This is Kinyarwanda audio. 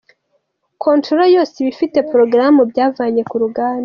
Controller yose iba ifite porogaramu byavanye ku ruganda.